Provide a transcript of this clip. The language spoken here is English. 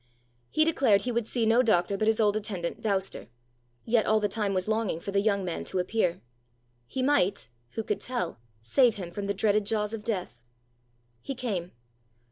He declared he would see no doctor but his old attendant Dowster, yet all the time was longing for the young man to appear: he might who could tell? save him from the dreaded jaws of death! He came.